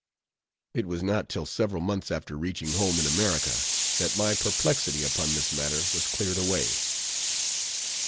It was not till several months after reaching home in America, that my perplexity upon this matter was cleared away.